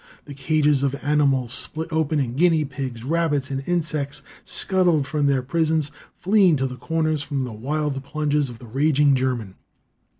The cages of animals split open, and guinea pigs, rabbits and insects scuttled from their prisons, fleeing to the corners from the wild plunges of the raging German.